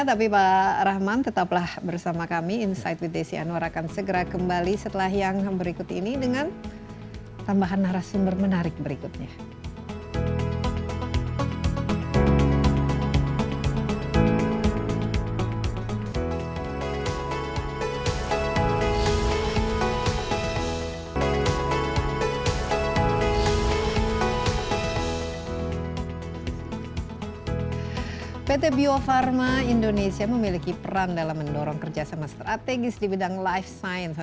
tapi pak rahman tetaplah bersama kami insight with desi anwar akan segera kembali setelah yang berikut ini dengan tambahan narasumber menarik berikutnya